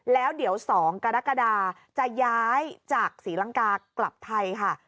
แล้วเดี๋ยว๒กรกฎาจะย้ายจากศรีลังกากลับไทยค่ะ